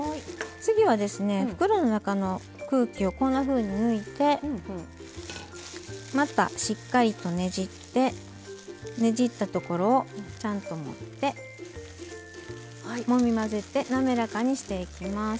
次は、袋の中の空気を抜いてまたしっかりとねじってねじったところをちゃんと持ってもみ混ぜてなめらかにしていきます。